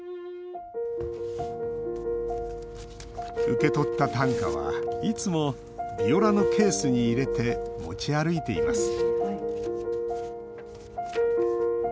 受け取った短歌はいつもヴィオラのケースに入れて持ち歩いています。